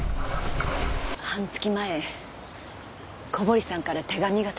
半月前小堀さんから手紙が届きました。